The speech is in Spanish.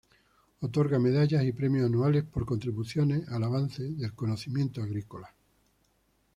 Otorga medallas y premios anuales por contribuciones al avance del conocimiento agrícola.